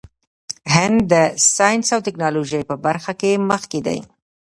هند د ساینس او ټیکنالوژۍ په برخه کې مخکې دی.